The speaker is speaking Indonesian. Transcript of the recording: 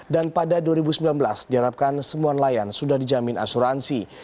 dan pada dua ribu sembilan belas diharapkan semua nelayan sudah dijamin asuransi